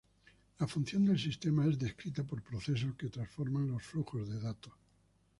La función del sistema es descrita por procesos que transforman los flujos de datos.